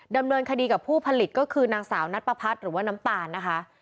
ดำเนินคดีกับผู้ผลิตก็คือนางสาวนัดประพัดหรือว่าน้ำตาลนะคะ